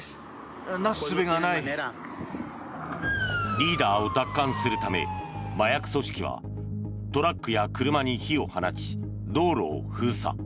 リーダーを奪還するため麻薬組織はトラックや車に火を放ち道路を封鎖。